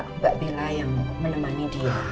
mbak bela yang menemani dia